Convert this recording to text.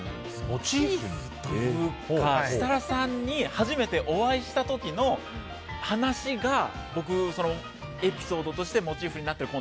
モチーフというか設楽さんに初めてお会いした時の話がエピソードとしてモチーフになっている